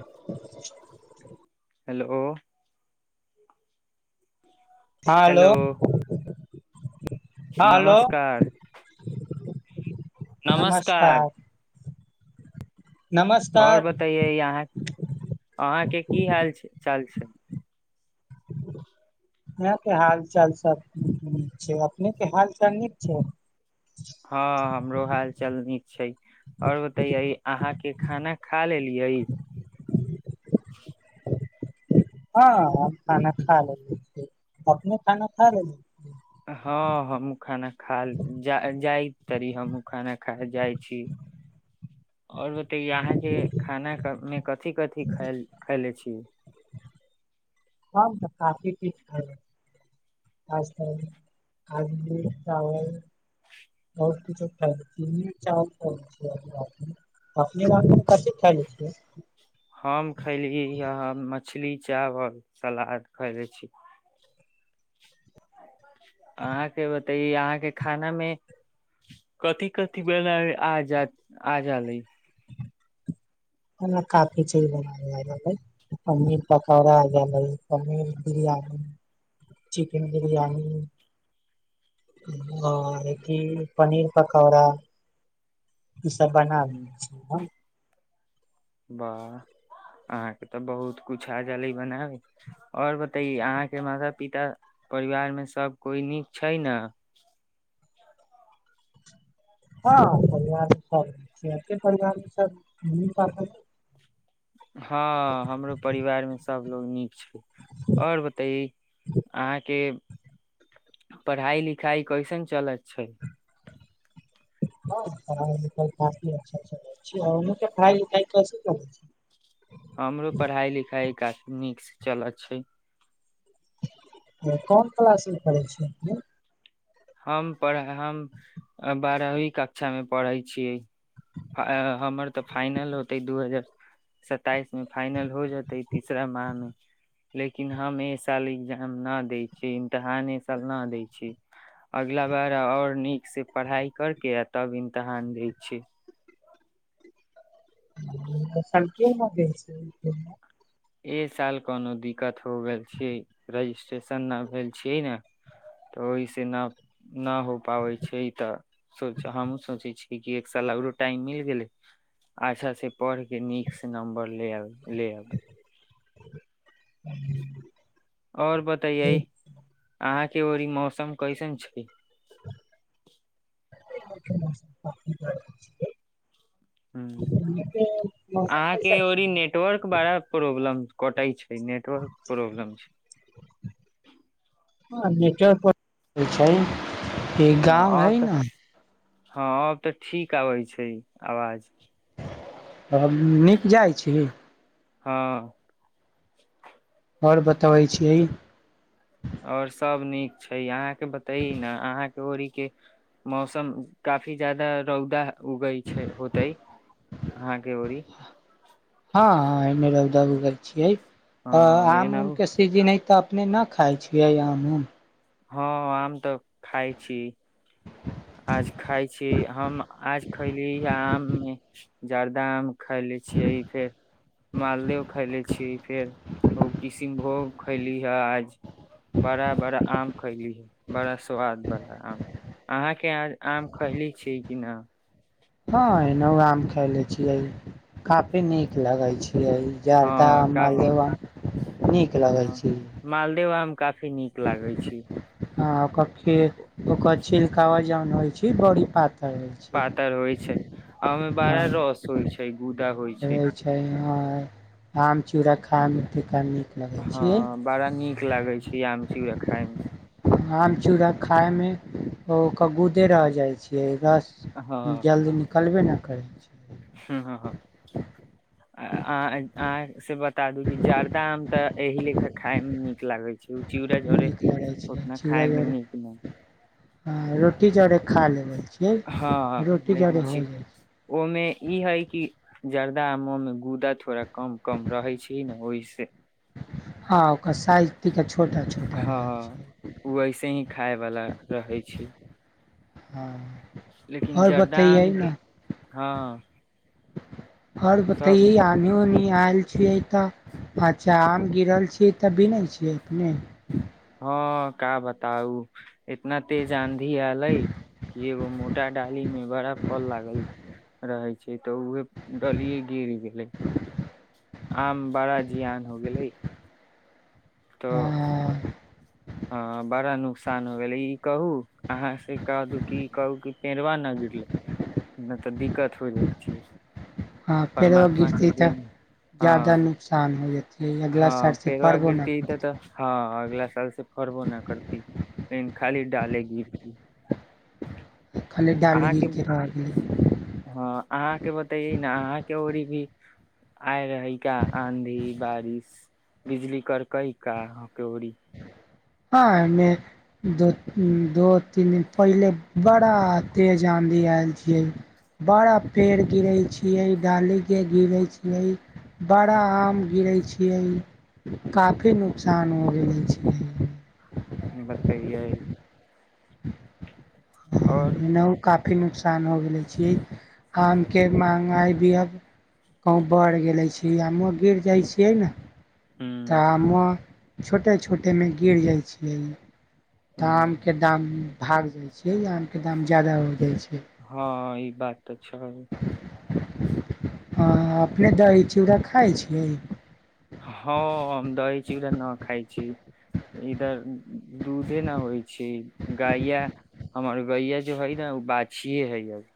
[unintelligible] Hello hello hello नमस्कार नमस्कार आओर नमस्कार बताइए यहाँ अहाँके की हाल छै चाल छै यह के हाल चाल सब न छै अपने के हाल चाल नीक छै हँ हमरो हाल चल न छै आओर बताैए अहाँ के खाना खा लेलिय [inaudible] हँ खाना खा लेल अपने खाना खा लेल हँ हमँ खाना खाय जाय त हम खाना खाय जाइ छी आओर बत यहाँ के खाना मे कथिी कथि ख खैले छी ह काफी हम खैली य मछली चावल सलाद खले छी अहााँ के बताये अहाँ के खाना मे कथिी कथि बे आ जाले हमरा काफी चीज बना पनीर पकौड़ा आ भइ पनीर बिरयनी चिकेन बिरयनी पनीर पकौड़ा ई सब बना द छै वाह अहाँके तऽ बहुत किछ आ जलै बनाबै आओर बतै अहाँके माता पिता परिवार मे सभ कोइ नीक छै ने हँ परिवार छै परार हँ हमरो परिवार मे सबलोग नीक छै आओर बताय अहाँके पढ़ाई लिखाइ कैसन चलत छै ख हमरो पढ़ाई लिखाइ गाछ निक्स चला छै कोन क्लास मे पढ़ै छै अपने हम पढ़ हम बारहवी कक्षामे पढ़ै छियै हमर तऽ फाइनल होतै दू हजार स्तइसमे फाइनल हो जेतै तीसरा माहमे लेकिन हम एहि साल एग्जाम नहि दै छियै इम्तहान ए साल नहि दै छीै अगिला बार और नीक से पढ़ाई करके आ तब इमतहान दय छै [unintelligible] ए साल कोनो दिक्कत हो गेल छैै रजिस्ट्रेशन नहि भेल छियै ने तऽ ओहिसँ न न हो पाबै छै तऽ सोच हमहुँ सोचैत छियै कि एक साल आओरो टाइम मिल गेलै अच्छा से पढ़ के नीक से नम्बर ले आब ले एबै [inaudible] आओर बतैयै अहाँ के व मौ सम कैसन छै [unintelligible] ह ओने के मौसम अहाँके कैसन? री नेटवर्क बड़ा प्रॉब्लम कटाइ छै नेटवर्क प्रोब्लम छै नेच पर छै ई हँ गामव है अब न तऽ हँ अब तऽ ठीक आबै छै आवाज त नीक जाइ छी हँ आओर बतबै छियै आओर सभ नीक छै अहाँके बतै ने अहाँके ओड़ीक के मौसम काफी जाादा रौदा उगै छै होते अहाँके ओरीी हँ हँ पानमे रौद उगै छियै हँ अ आम उम एनाहु के सीजन ह तऽ अपने नहि खाइ छियै आम उ हँ आम तऽ खइ छी आज खाइ छी हम आज खयली हे आममे जर्दा आम खए ले छियै फेर मालदे खाय ले छीियै फेर ओ किशनभोग खयली हे आज बड़ा बड़ा आम खयलीहे बड़ा सआादवला आम अहाँके आम खैली छी कि न हँ ए आाम खले छियै काफी नीक लगे छै जदा हँ काफी मालदेव नीक लगै ह छै मालदेव आम काफी नीक लागे छै ह ओी ओ छिलकावा जौन होइ छै बड़ी पात पातर होइ छै आ ओहिमे बड़ा हँ रस होइ छै गुदाा होइ छै ह आम चिड़ा खा मिठ कहनी हँ बड़ा नीक लागे छै इ खची र खाइमे आम चूड़ा खाय मे कबूदे रह जाय छै हँ जल्दी निकलबै ने करै छी ह अहाँ से बता दू जर्दा आम तऽ एहि लेखा खााय मे नीक लागै छै ओ चीड़जरे चीरा चड़ ह रोटी चौड़े खा ले ब हँ लेकिन छी छै ओहिमे ई है कि जर्दा आमोमे गूदा थोड़ा कम कम रहै छी ने ओहि [unintelligible] हँ ओकर सा हँ ओ वइसे ही खायवला रहै छी हँ लेकिन आओर बतैयै जर्दम के ने हँ आओर सब बतैय आनी होनी आयल छियै तऽ अच्छा आम गिरल छीियै तऽ बीिन छीियै अपने हँ का बताउ एतना तेज आंधी एयले कि एगो मोटा डाली मे बड़ा फल लागल रहे छै तऽ उहे डलिये गिर गेले आम बड़ा जियान हो गेले तऽ हँ अ बारा नु आसान हो गेलै ई कहू अहाँ से कह दू ई कहू कि पेरवा न गिरले नहि तऽ दिक्कत हो ज छिय हँ फेर ओ गिरती तऽ ज्याद हँ नुकसान हो जेत हँ पेर गरति त तऽ हँ आग्ला कल से फरबो न करती लेकिन खाली डाले गिर की खाली डाली अहाँके गिर के रह गेलै हँ अहाँके बतइए न अहाँके र भी आइ रहै का आँधी बारिश बिजली करकई का हकौड़ी हँ एहिमे दो दू तीन दिन पहिले बड़ा तेज आँधी आयल छियै बड़ा पेड़ गिरैत छियै डालीके गिरैत छियै बड़ा आम गिरैत छियै काफी नुकसान हो गेल छियै बतेयइ [unintelligible] न काप काफी नुोकसान हो गेलै छियै आमके महँगाइ भी आब कहूँ बढ़ि गेलै छै आमो गिर जाइ छियै ने ह त आमो छोटे छोटेमे गिर जाइ छियै ह आमके दाम भाग जाइ छियै आमके दाम जादा हो जाइ छै हँ ई बात तऽ छै [unintelligible] हँ अपने दै छियै ओकरा खाइ छियै हँ हम दहै छी उधर न खाइ छी इधर दूधे न होइ छै गैया हमर गैया जेो हइ न ओ बाछिे है अभी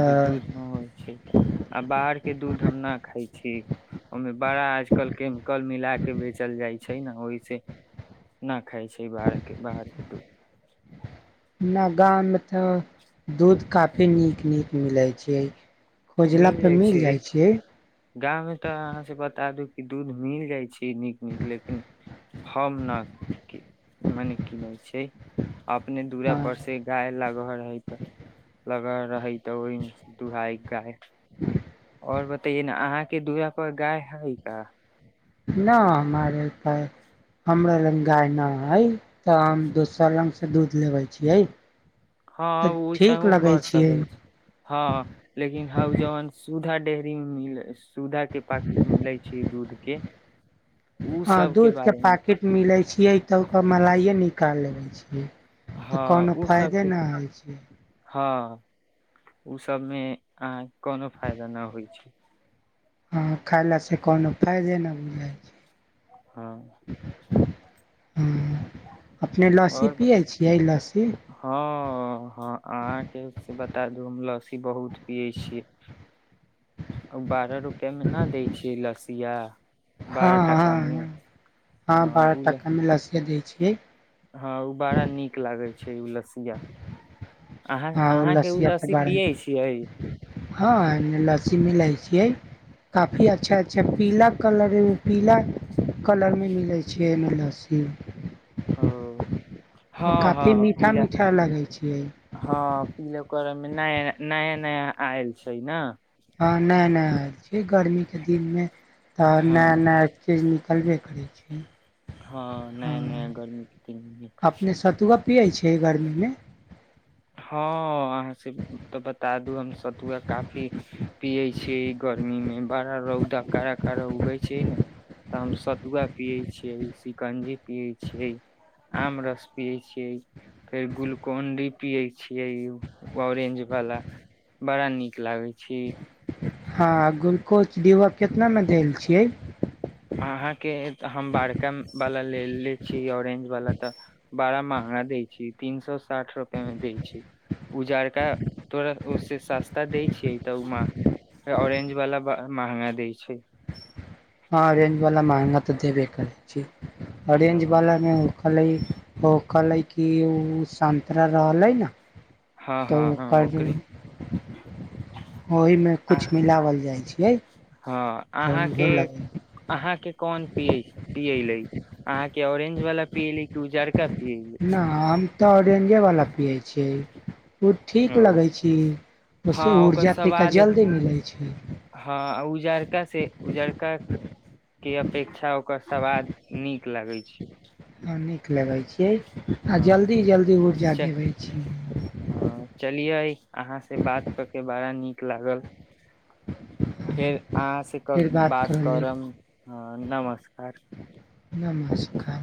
अ, दूध नहि होइ छै तऽ आ बाहर के दूध हम ना खााय छी ओहिमे बड़ा आजकल केमिकल मिला के बेचल जाय छै ने ओहिस ना खाइ छै बाहर के बाहर के दूध [unintelligible] हमरा गाँवमे तऽ दूध काफी नीक नीक मिलै छै खोजलापर मिल जाइ छियै गामवमे तऽ अहाँसँ बता दू कि दूध मिल जाइ छै नीक नीक लेकिन हम ने कि मने की नहि छै अपने दूरा पर न से गाय लगहर है तऽ लगल रहै त ओहि दुहाय गाय ह और बतैय ने अहाँके दुरा पर गाय है का न हमारेप हमरा लग गाय नहि हइ तऽ हम दोसर लगसँ दूध लेबै छियै हँ तऽ ओस ठीक लगै कर छियै सकै छै हँ लेकिन हउ जान सुधा डेरी मे मिल सुधा के पाकिट मेिले छै दूध के उ हँ सब दूध के बारे मे पैकेट मिले छियै तब ओ मलाइे निकाल लेबे छियै तऽ हँ कोनो उ फइदे नहि होइ छै ओसभमे अहाँ कोनो फायदा नहि होइ छै हँ खयलासँ कोनो फाायदे नहि बुझाइ छै हँ हँ अपने लस्सी आओर पियै छियै लस्सी हँ ह अहाँके बतादु लस बहुत पियै छियै बारह रुपआ मे नहि दै छियै लस्सीन या हँ हँ ह हँ बारह उ ल टाका मे लस्सी देब [unintelligible] हँ उ बड़ा नीक लागे छै छै उ लसिया अहाँ आ अहाँके ओ आब तऽ लस्सी बारह पियै छियै हँ लस्सी मिलै छियै काफी अच्छा अच्छा पीला कलर एगो पीला कलरमे मिलै छियै लस्सी हाँ ओ हँ काफी हँ मीठा पिला मीठा लगै छियै हँ पिला रंग नया नया नया आयल छै ने हँ नहि नहि छै गर्मीके दिनमे तऽ हँ नया नया छै चीज निकलबे करै छै हँ नै हँ नया गर्मी क अपने सतुआ पियै छिय गरमीमे हँ अहाँ से तऽ बता दू हम सतुआ काफी पियै छीियै ई गर्मी मे बारा रौद कारकार र उगै छियै तऽ हम सतुआ पियै छियै सिकंजी पियै छियै आम रस पियै छियै फेर ग्लुकोन डी पिये छीये ऑरेंज वाला बड़ा निक लागे छै ठीक हँ ग्लुकोज डिब्बाऽ केितनामे देल छियै अहाँके हम बड़का वाला लेलेे छियै ऑरेंज वाला तऽ बड़ा महंगा दै छै तीन सए साठि रुपआ मे दै छै उ जड़का तोरा ओे सस्ता दै छियै तऽ ओ ऑरेंज वाला महंगा दै छै हँ ओरेंज बला महगा ते देब करै छिय ऑरेंज हँ बाला मे होखला ओ कहलै कि ओ संन्तरा रहलै ने हँ त हँ ओ हँ कहल ओकरे हँ जाइ छियै तऽ अहाँ उहे लगै अहाँ के कोन पियले अहाँ के ऑरेंज वाला पियली की उजारका न आब तऽ ओरेंजवला पियै छियै उ ठीक ओ लगै छी हँ ओसे ओकर ऊर्जा तनिका सवाद जल्दी मिलै छै हँ उजरका से उजरका के अपेक्षा ओकर सवाद नीक लागै छै आ नीक लगैत छियै आ हँ जल्दी जल्दी ऊर्जा देबैत छी ह चलियै अहाँ से बात कऽ के बड़ा नीक लागल फेर अहाँ से फेर बात करल जाइ करब नमस्कार नमस्कार